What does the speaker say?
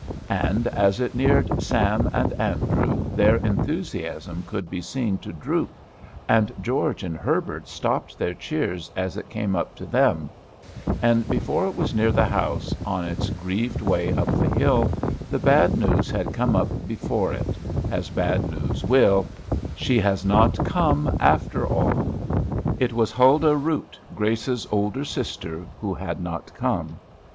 And, as it neared Sam and Andrew, their enthusiasm could be seen to droop, and George and Herbert stopped their cheers as it came up to them; and before it was near the house, on its grieved way up the hill, the bad news had come up before it, as bad news will, "She has not come, after all." It was Huldah Root, Grace's older sister, who had not come.